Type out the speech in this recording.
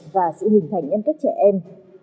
và sự hình thành nhân cách trẻ em